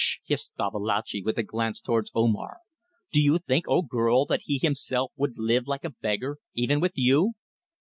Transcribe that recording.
hissed Babalatchi, with a glance towards Omar. "Do you think, O girl! that he himself would live like a beggar, even with you?"